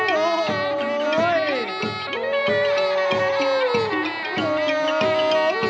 อ่าอ่าอ่า